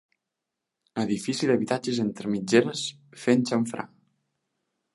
Edifici d'habitatges entre mitgeres, fent xamfrà.